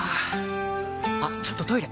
あっちょっとトイレ！